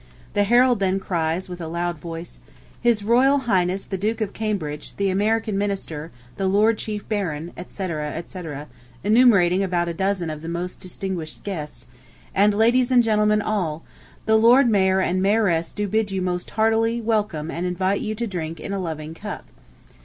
The herald then cries with a loud voice: "His Royal Highness the Duke of Cambridge, the American Minister, the Lord Chief Baron," etc., etc. (enumerating about a dozen of the most distinguished guests), "and ladies and gentlemen all, the Lord Mayor and Lady Mayoress do bid you most heartily welcome and invite you to drink in a loving cup."